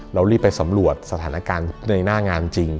เรารีบไปสำรวจสถานการณ์ในหน้างานจริง